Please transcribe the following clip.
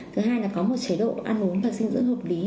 thứ hai là có một chế độ ăn uống và dinh dưỡng hợp lý